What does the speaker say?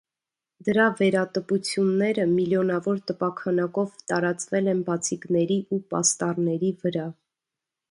Դրա վերատպությունները միլիոնավոր տպաքանակով տարածվել են բացիկների ու պաստառների վրա։